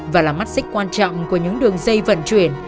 và là mắt xích quan trọng của những đường dây vận chuyển